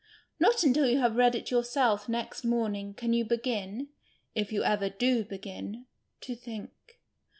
Not until you have read it yourself next morning can you begin (if you ever do begin) to think.